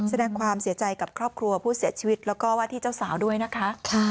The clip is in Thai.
แสดงความเสียใจกับครอบครัวผู้เสียชีวิตแล้วก็ว่าที่เจ้าสาวด้วยนะคะ